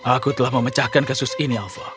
aku telah memecahkan kasus ini alpha